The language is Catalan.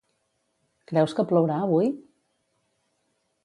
Creus que plourà avui?